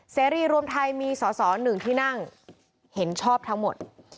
เสรีรวมไทยมีสอสอหนึ่งที่นั่งเห็นชอบทั้งหมด